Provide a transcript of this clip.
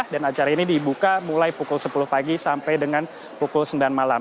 dan acara ini dibuka mulai pukul sepuluh pagi sampai dengan pukul sembilan